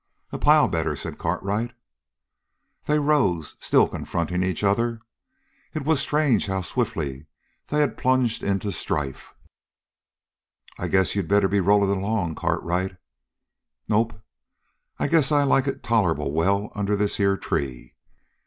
"A pile better," said Cartwright. They rose, still confronting each other. It was strange how swiftly they had plunged into strife. "I guess you'll be rolling along, Cartwright." "Nope. I guess I like it tolerable well under this here tree."